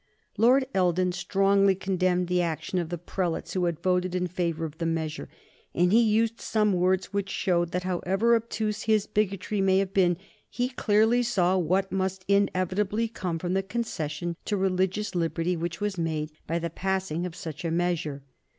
Lord Eldon strongly condemned the action of the prelates who had voted in favor of the measure, and he used some words which showed that, however obtuse his bigotry may have been, he clearly saw what must inevitably come from the concession to religious liberty which was made by the passing of such a measure.